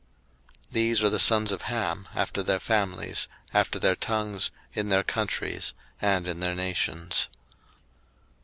01:010:020 These are the sons of Ham, after their families, after their tongues, in their countries, and in their nations.